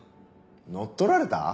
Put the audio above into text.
乗っ取られた？